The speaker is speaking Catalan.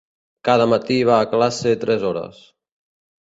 Cada matí va a classe tres hores.